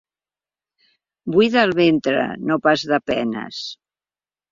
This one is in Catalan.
Buida el ventre, i no pas de penes.